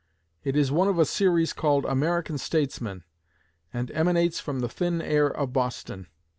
It is one of a series called "American Statesmen," and emanates from the thin air of Boston.